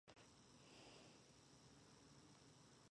Present are poems by A. E. Waite and the young Aleister Crowley.